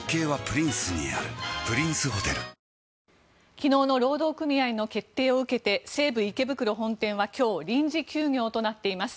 昨日の労働組合の決定を受けて西武池袋本店は今日、臨時休業となっています。